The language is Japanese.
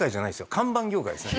看板業界ですね。